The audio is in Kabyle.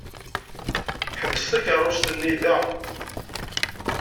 Ḥbes takeṛṛust-nni da.